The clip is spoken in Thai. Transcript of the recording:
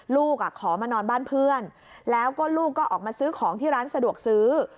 ลูกขอมานอนบ้านเพื่อนแล้วก็ลูกก็ออกมาซื้อของที่ร้านสะดวกซื้อ